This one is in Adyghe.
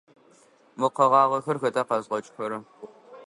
Мо къэгъагъэхэр хэта къэзгъэкӏыгъэхэр?